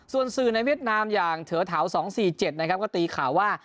ส่วนสื่อในเวียดนามอย่างเถอเถา๒๔๗นะครับก็ตีข่าวว่า